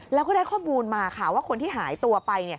แล้วก็ได้ข้อมูลมาค่ะว่าคนที่หายตัวไป